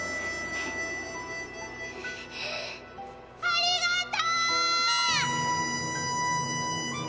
ありがとう！